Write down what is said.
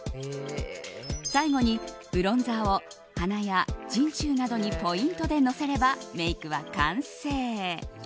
最後に、ブロンザーを鼻や人中などにポイントでのせればメイクは完成。